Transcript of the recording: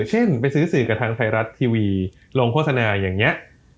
เช่นไปซื้อสื่อกับทางไทยรัฐทีวีลงโฆษณาอย่างนี้